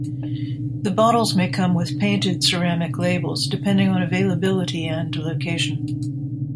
The bottles may come with painted ceramic labels, depending on availability and location.